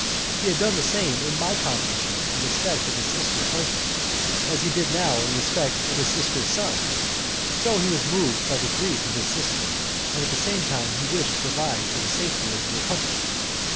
He had done the same in my consulship, in respect of his sister's husband, as he did now in respect of his sister's son, so that he was moved by the grief of his sister, and at the same time he wished to provide for the safety of the republic.